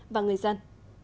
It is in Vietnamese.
và người dân